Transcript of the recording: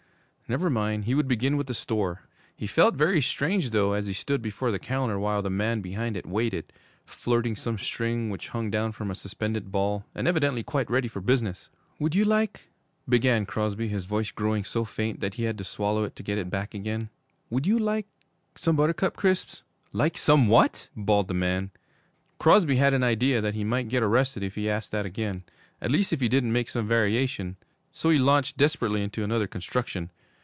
Never mind, he would begin with the store. He felt very strange, though, as he stood before the counter, while the man behind it waited, flirting some string which hung down from a suspended ball, and evidently quite ready for business. 'Would you like,' began Crosby, his voice growing so faint that he had to swallow to get it back again; 'would you like some Buttercup Crisps?' 'Like some what?' bawled the man. Crosby had an idea that he might get arrested if he asked that again, at least if he didn't make some variation, so he launched desperately into another construction.